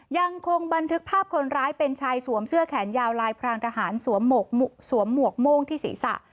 ยังคงบันทึกภาพคนร้ายเป็นชายสวมเสื้อแขนยาวลายพรางทหารสวมหมวกโม่งที่ศีรษะ